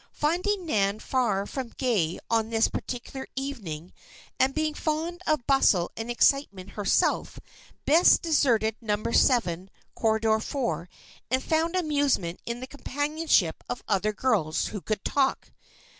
Finding Nan far from gay on this particular evening, and being fond of bustle and excitement herself, Bess deserted Number Seven, Corridor Four, and found amusement in the companionship of other girls who could talk.